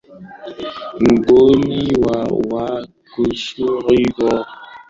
mgonjwa wa kisukari anatakiwa kujua kiasi cha wanga alichonacho